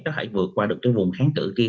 có thể vượt qua được cái vùng kháng cử kia